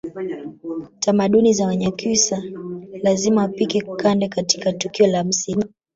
Tamaduni za Wanyakyusa lazima wapike kande katika tukio la msiba